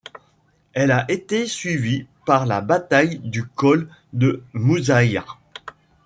Elle a été suivie par la Bataille du col de Mouzaïa.